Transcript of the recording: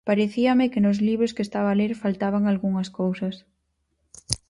Parecíame que nos libros que estaba a ler faltaban algunhas cousas.